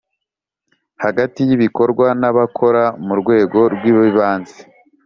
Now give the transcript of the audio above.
hagati y ibikorwa n abakora mu rwego rw ibanze